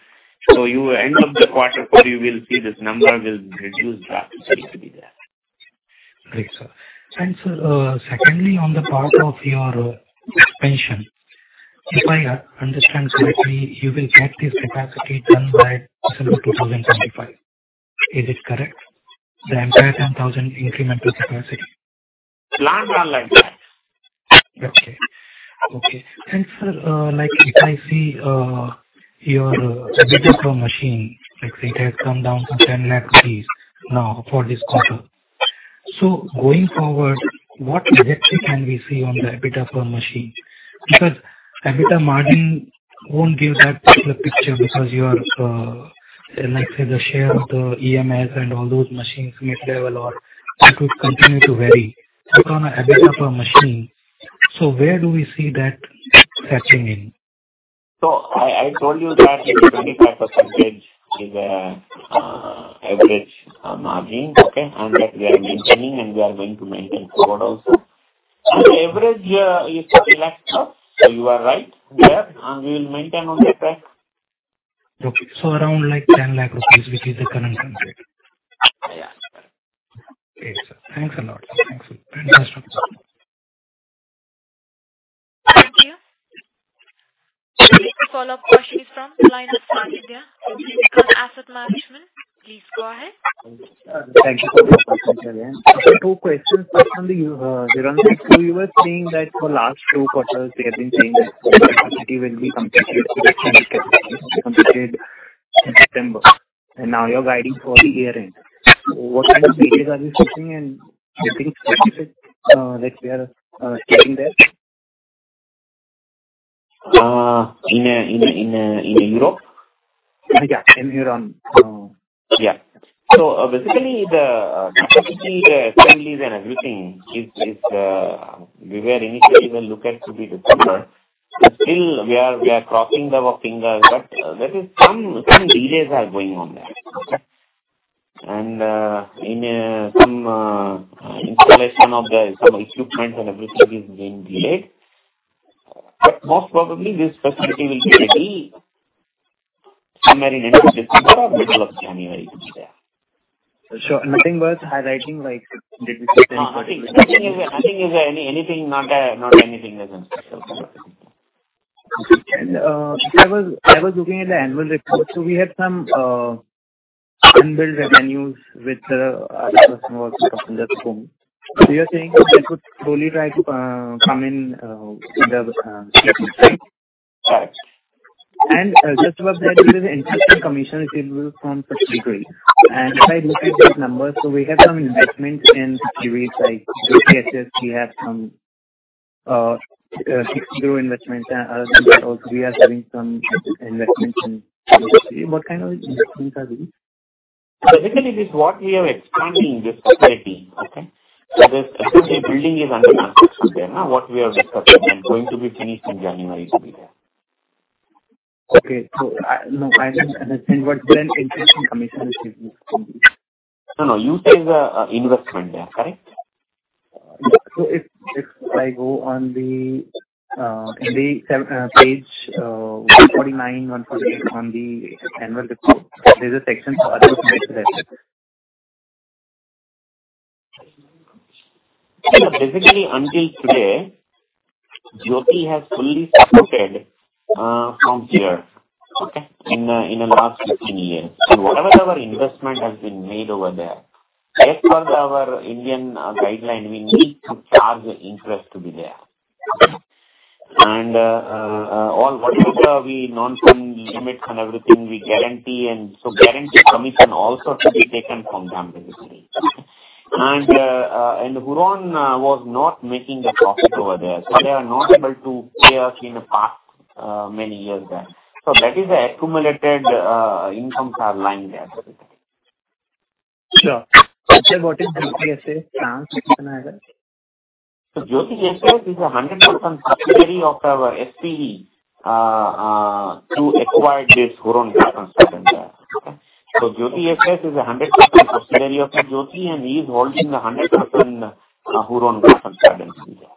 So, at the end of quarter four, you will see this number will reduce drastically to be there. Great, sir. And sir, secondly, on the part of your expansion, if I understand correctly, you will get this capacity done by December 2025. Is it correct? The entire 10,000 incremental capacity? Planned on the entire. Okay. Okay. And sir, if I see EBITDA per machine, let's say it has come down to 1,000,000 rupees now for this quarter. So going forward, what objective can we see on EBITDA per machine? Because EBITDA per margin won't give that particular picture because you are, let's say, the share of the EMS and all those machines mid-level or it would continue to vary. But on EBITDA per machine, so where do we see that settling in? So I told you that 25% is an average margin, okay? That we are maintaining and we are going to maintain forward also. The average is 3 lakh plus. You are right there. We will maintain on that track. Okay. Around like 10 lakh rupees, which is the current market. Yeah. Correct. Okay, sir. Thanks a lot. Thanks for the interesting question. Thank you. The next follow-up question is from the line of Sanidhya from Unicorn Asset Management. Please go ahead. Thank you for the question again. Two questions. Just on the year-end, you were saying that for the last two quarters, we have been saying that capacity will be completed in September. Now you're guiding for the year-end. What kind of data are we seeing and do you think, specifically, that we are getting there? In Europe? Yeah. In Europe. Yeah. So basically, the capacity, the assemblies and everything is we were initially going to look at to be December. But still, we are crossing our fingers. But there are some delays that are going on there. And the installation of the equipment and everything is being delayed. But most probably, this facility will be ready somewhere in end of December or middle of January to be there. Sure. Nothing worth highlighting like 15% or 10%? Nothing is anything, not anything that's unspecified. Okay. And I was looking at the annual report. So we had some unbilled revenues with the other customers from the home. So you're saying that would slowly try to come in the CPC? Correct. And just about that, there is an interesting commission available from subsidiaries. And if I look at these numbers, so we have some investment in subsidiaries like U.S. We have some growth investments. And other things also, we are doing some investments in. What kind of investments are these? Basically, this is what we are expanding this facility. Okay? So this facility building is under construction there, now what we are discussing. And going to be finished in January to be there. Okay. So no, I don't understand what's the interest income receiving from these. No, no. You say the investment there, correct? Yeah. So if I go on the page 149, 148 on the annual report, there's a section for other commitments. Basically, until today, Jyoti has fully supported from here, okay, in the last 15 years. And whatever our investment has been made over there, as per our Indian guidelines, we need to charge interest to be there. And all whatever we non-fund based limits and everything, we guarantee. And so guarantee commission also to be taken from them, basically. And Huron was not making a profit over there. So they are not able to pay us in the past many years there. So that is the accumulated incomes are lying there, basically. Sure. So what is Huron SAS's plan for this annual? So Jyoti SAS is a 100% subsidiary of our SPV to acquire this Huron Graffenstaden and there. So Jyoti SAS is a 100% subsidiary of Jyoti, and he is holding the 100% Huron Graffenstaden and there.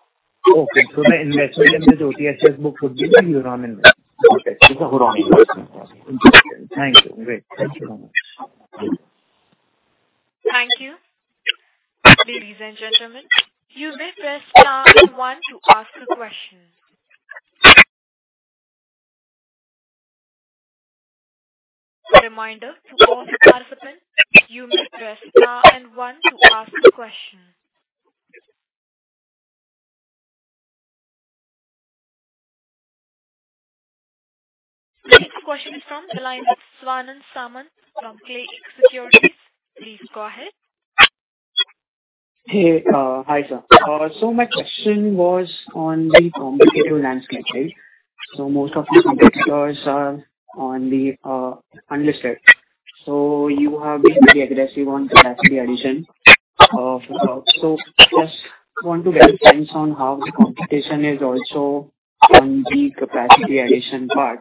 Okay. So the investment in the Jyoti SAS book would be the Huron investment? Okay. It's a Huron investment. Okay. Interesting. Thank you. Great. Thank you very much. Thank you. Ladies and gentlemen, you may press star and one to ask a question. Reminder to all participants, you may press star and one to ask a question. Next question is from the line of Swanand Samant from Clay X Securities. Please go ahead. Hey, hi sir. So my question was on the competitive landscape, right? So most of your competitors are on the unlisted. So you have been very aggressive on capacity addition. So just want to get a sense on how the competition is also on the capacity addition part.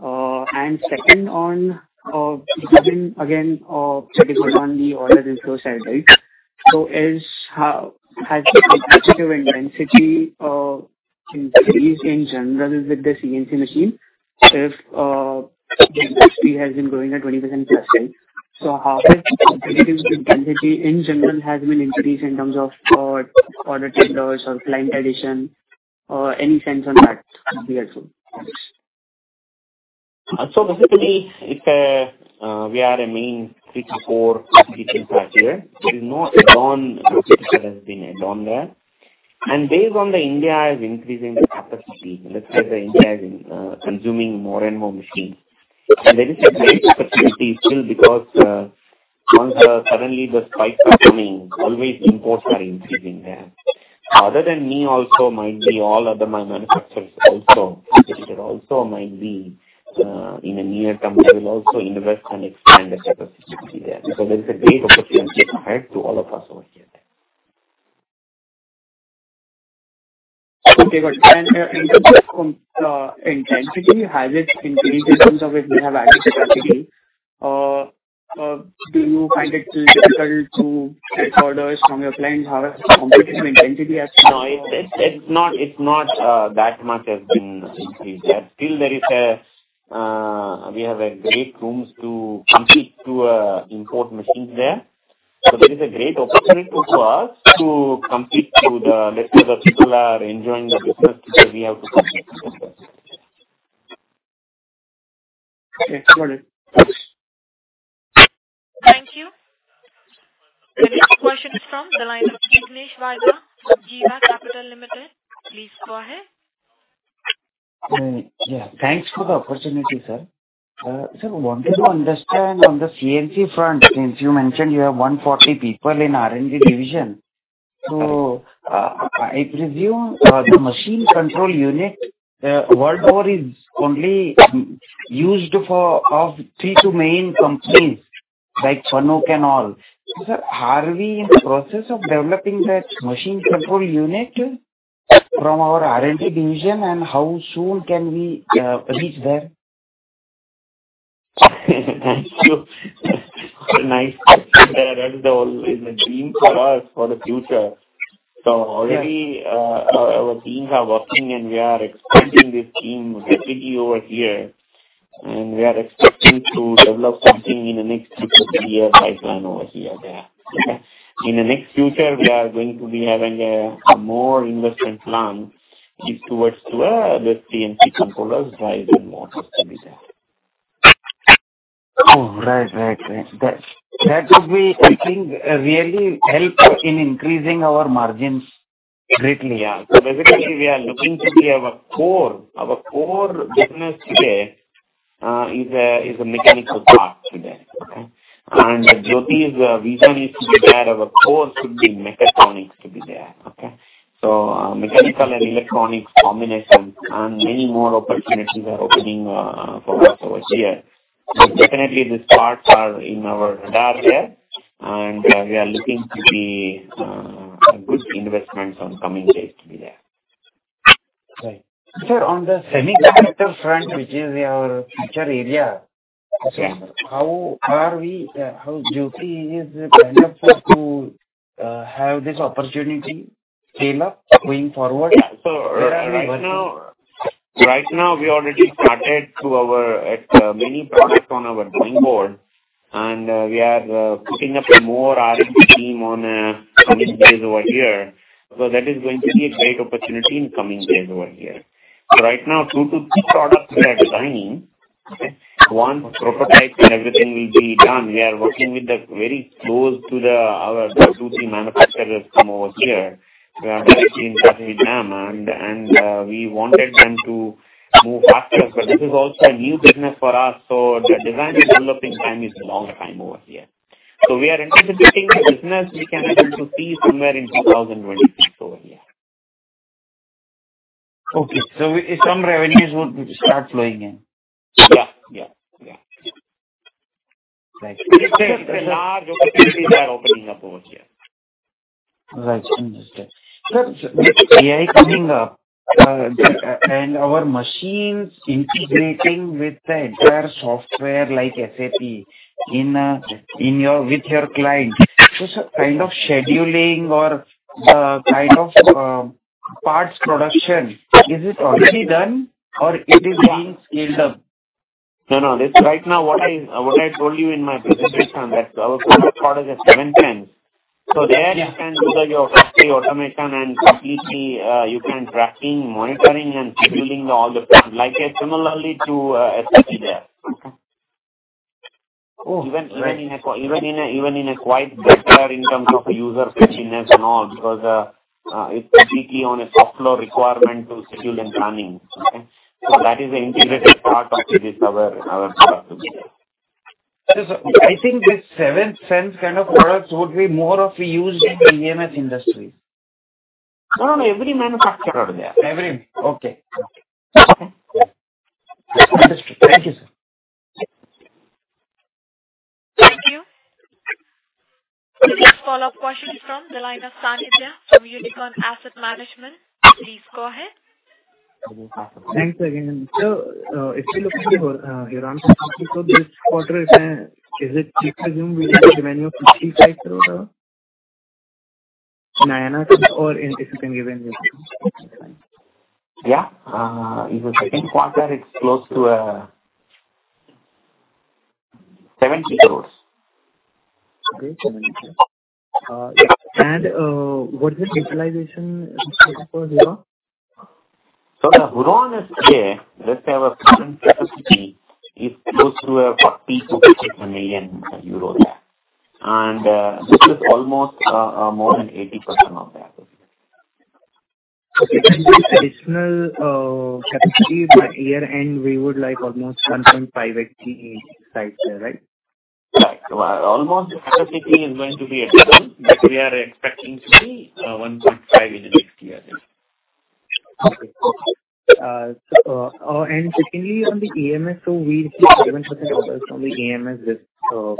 And second, again, that is on the order inflow side, right? So has the competitive intensity increased in general with the CNC machine? If the capacity has been growing at 20% plus, right? So how has the competitive intensity in general has been increased in terms of order tenders or client addition? Any sense on that would be helpful. So basically, if we are a main three to four competitors here, there is no add-on. Capacity has been added on there. Based on the India is increasing the capacity, let's say the India is consuming more and more machines. There is a high capacity still because suddenly the spikes are coming. Always imports are increasing there. Other than me also might be all other manufacturers also. Competitor also might be in a near term will also invest and expand the capacity there. There is a great opportunity to add to all of us over here. Okay. This intensity, has it increased in terms of if we have added capacity? Do you find it still difficult to get orders from your clients? How has the competitive intensity has changed? No, it's not that much has been increased. Still, there is a we have a great room to compete to import machines there. So there is a great opportunity for us to compete to the, let's say, the people are enjoying the business today, we have to compete to get there. Okay. Got it. Thank you. The next question is from the line of Jignesh Varga, Jiva Capital Limited. Please go ahead. Yeah. Thanks for the opportunity, sir. Sir, I wanted to understand on the CNC front, since you mentioned you have 140 people in R&D division. So I presume the machine control unit, the world over is only used for three to main companies like Fanuc and all. Sir, are we in the process of developing that machine control unit from our R&D division, and how soon can we reach there? Thank you. Nice. That is the dream for us for the future. So already our teams are working, and we are expanding this team rapidly over here. We are expecting to develop something in the next two-to-three-year pipeline over here there. In the next future, we are going to be having a more investment plan towards where the CNC controllers drive and more systems there. Oh, right, right, right. That would be, I think, really help in increasing our margins greatly. So basically, we are looking to be our core. Our core business today is a mechanical part today. And Jyoti's vision is to be there. Our core should be mechatronics to be there. Okay? So mechanical and electronics combination, and many more opportunities are opening for us over here. But definitely, these parts are in our radar there. And we are looking to be a good investment on coming days to be there. Right. Sir, on the semiconductor front, which is our future area, how are we? How is Jyoti kind of to have this opportunity to scale up going forward? So right now, we already started many products on our drawing board. And we are putting up more R&D team in the coming days over here. So that is going to be a great opportunity in the coming days over here. So right now, two to three products we are designing. Once prototypes and everything will be done, we are working very closely with two to three manufacturers from over here. We are directly in South Vietnam, and we wanted them to move faster. But this is also a new business for us. So the design and developing time is a long time over here. So we are anticipating the business we can see somewhere in 2026 over here. Okay. So some revenues would start flowing in? Yeah. Yeah. Yeah. Right. It's a large opportunity we are opening up over here. Right. Understood. Sir, with AI coming up and our machines integrating with the entire software like SAP with your client, so kind of scheduling or kind of parts production, is it already done or it is being scaled up? No, no. Right now, what I told you in my presentation that our product code is at 7th Sense. So there you can do your factory automation and completely you can tracking, monitoring, and scheduling all the product like similarly to SAP there. Okay? Even in a quite better in terms of user-friendliness and all because it's completely on a software requirement to schedule and planning. Okay? So that is an integrated part of this our product to be there. I think this 7th Sense kind of products would be more of a use in the EMS industry. No, no. Every manufacturer there. Understood. Thank you, sir. Thank you. The next follow-up question is from the line of Sanidhya from Unicorn Asset Management. Please go ahead. Thanks again. Sir, if we look at your guidance for this quarter, is it safe to assume we will have a revenue of INR 55 crores? Management or if you can give any other number. Yeah. In the second quarter, it is close to 70 crores. Okay. 70 crores. And what is the utilization for Huron? So the Huron is there. Let's say our current capacity is close to 40-50 million euros there. And this is almost more than 80% of that. Okay. And the additional capacity by year end, we would like almost 15-80 sites there, right? Right. Almost the capacity is going to be at full, but we are expecting to be 1.5 in the next year. Okay. And secondly, on the EMS, so we receive 7% orders from the EMS this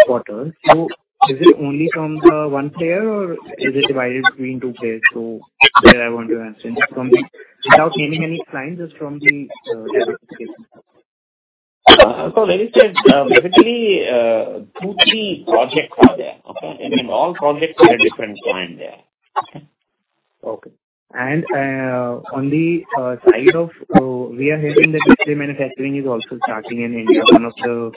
quarter. So is it only from the one player or is it divided between two players? So that I want to ask. And without naming any clients, just from the specification. So let me say, basically, two to three projects are there. Okay? And in all projects, we have different clients there. Okay? Okay. And on the side of. So we are hearing that display manufacturing is also starting in India, one of the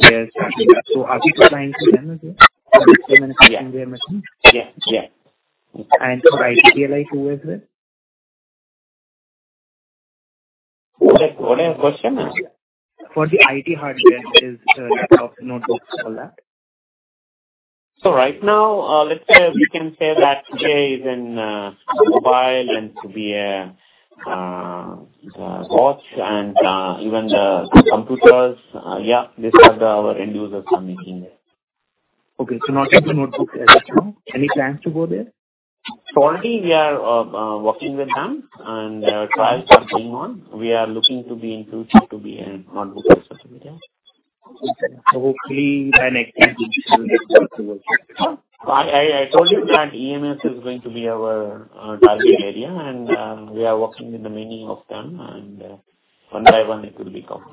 players starting there. So are people buying from them as well? Display manufacturing there? Yeah. Yeah. Yeah. And for IT, DLI who is with? What is the question? For the IT hardware, is laptops, notebooks, all that? So right now, let's say we can say that today is in mobile and TV and a watch and even the computers. Yeah. These are our end users are making there. Okay, so not just the notebooks as well. Any plans to go there? So, already we are working with them, and trials are going on. We are looking to be inclusive to be a notebook facility there. Okay, so hopefully by next week, you will get to work with them. I told you that EMS is going to be our target area, and we are working with the many of them, and one by one, it will be covered.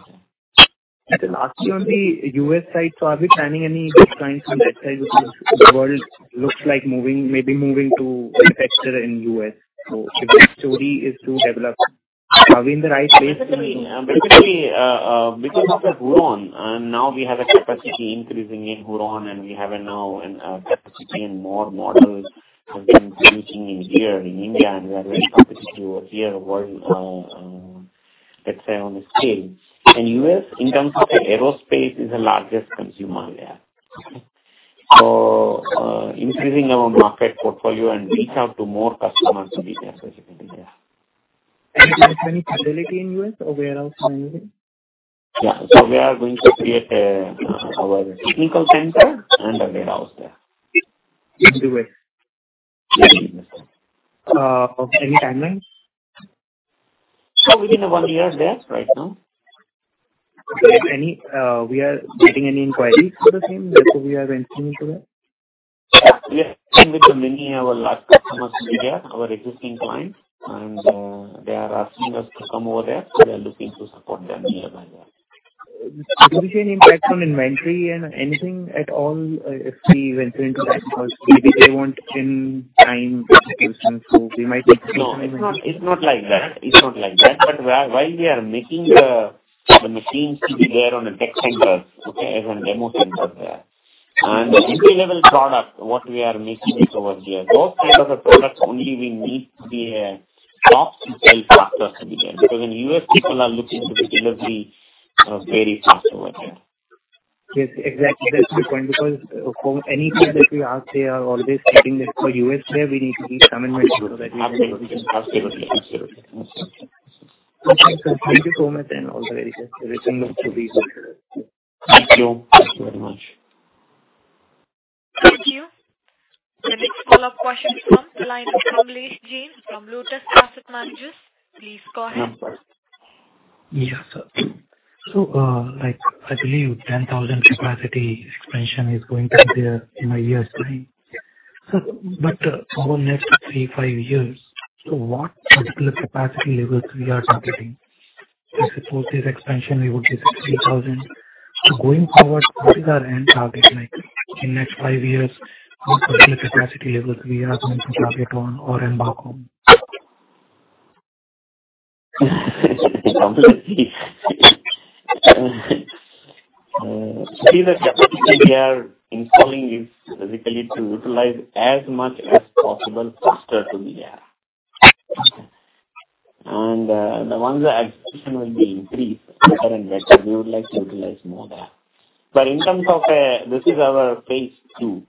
It's a large U.S. site, so are we planning any clients from that side? The world looks like maybe moving to manufacture in the U.S., so if the story is to develop, are we in the right place? Basically, because of the Huron, and now we have a capacity increasing in Huron, and we have now a capacity in more models have been increasing here in India. And we are very competitive over here world, let's say, on the scale. And U.S., in terms of the aerospace, is the largest consumer there. Okay? So increasing our market portfolio and reach out to more customers in India, specifically there. And do you have any facility in U.S. or warehouse in any way? Yeah. So we are going to create our technical center and a warehouse there. In the U.S.? Yes. Yes. Any timeline? So within one year there right now. We are getting any inquiries for the same that we are entering into there? Yes. We are entering into many of our large customers over here, our existing clients. And they are asking us to come over there. We are looking to support them nearby there. Do you see any impact on inventory and anything at all if we went into that? Maybe they want in time to do something. So we might need to do something. No, it's not like that. It's not like that. But while we are making the machines to be there on the tech centers, okay, as on demo centers there. And entry-level product, what we are making over here, those kind of products only we need to be a top-to-tail factor to be there. Because in U.S., people are looking to be delivery very fast over here. Yes. Exactly. That's my point. Because for anything that we ask, they are always keeping the U.S. there. We need to be some inventory so that we can deliver fast. Absolutely. Absolutely. Okay. Thank you so much and all the very best. Everything looks to be good. Thank you. Thank you very much. Thank you. The next follow-up question is from the line of Jain from Lotus Asset Managers. Please go ahead. Yeah, sir. So I believe 10,000 capacity expansion is going to be there in a year's time. But over the next three, five years, what particular capacity levels we are targeting? I suppose this expansion we would be 60,000. So going forward, what is our end target in next five years? What particular capacity levels we are going to target on or embark on? See, the capacity we are installing is basically to utilize as much as possible faster to be there. And the ones that are expectation will be increased better and better. We would like to utilize more there. But in terms of this is our phase two.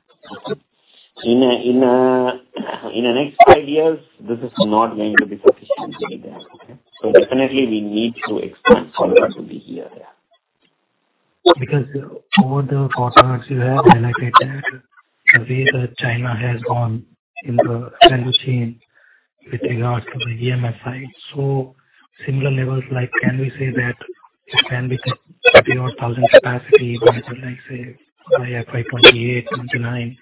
In the next five years, this is not going to be sufficiently there. Okay? So definitely, we need to expand further to be here there. Because over the quarters you have, I like it that the way that China has gone in the value chain with regards to the EMS side. So similar levels, can we say that it can be 30 or 1,000 capacity by, like I say, by FY 2028, 2029?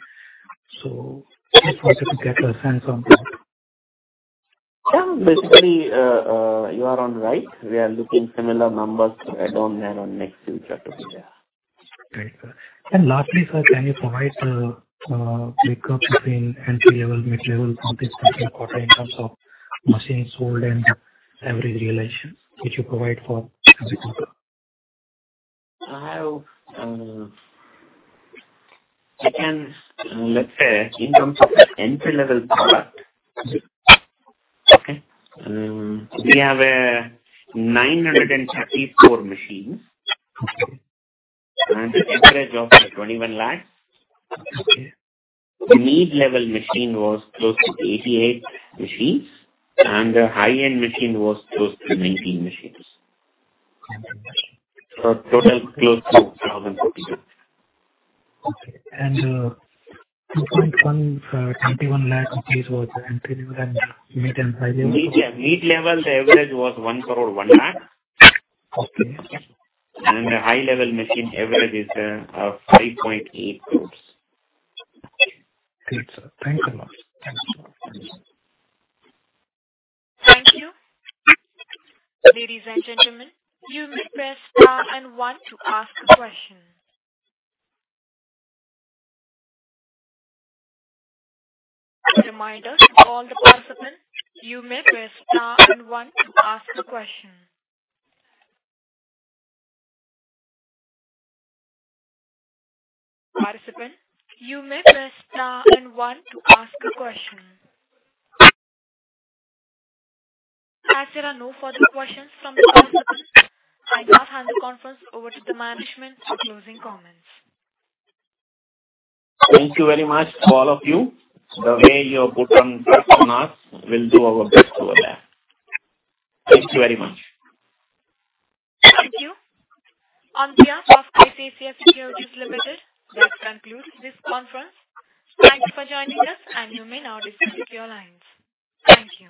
So just wanted to get a sense on that. Yeah. Basically, you are right. We are looking similar numbers to add on there in the near future to be there. Great. And lastly, sir, can you provide the break-up between entry-level, mid-level, something in terms of machines sold and average realizations that you provide for every company? I can. Let's say, in terms of entry-level product, we have 934 machines. And the average of 21 lakhs. Mid-level machine was close to 88 machines. And the high-end machine was close to 19 machines. So total close to 1,042. Okay. And 2.1, 21 lakh machines was entry-level and mid and high-level? Yeah. Mid-level, the average was 1 crore, 1 lakh. And the high-level machine average is 5.8 crores. Great, sir. Thanks a lot. Thank you. Thank you. Ladies and gentlemen, you may press star and one to ask a question. Reminder, all the participants, you may press star and one to ask a question. Participants, you may press star and one to ask a question. As there are no further questions from the participants, I now hand the conference over to the management for closing comments. Thank you very much to all of you. The way you have put questions, we'll do our best over there. Thank you very much. Thank you. On behalf of ICICI Securities Limited, that concludes this conference. Thank you for joining us, and you may now disconnect your lines. Thank you.